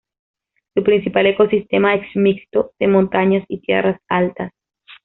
Su principal ecosistema es mixto de montañas y tierras altas.